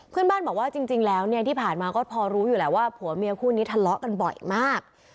เพื่อนบ้านบอกว่าจริงแล้วเนี่ยที่ผ่านมาก็พอรู้อยู่แหละว่าผัวเมียคู่นี้ทะเลาะกันบ่อยมาก